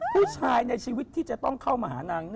ผู้ชายในชีวิตที่จะต้องเข้ามาหานาง